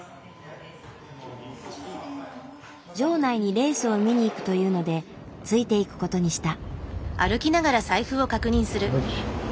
場内にレースを見に行くというのでついていくことにした。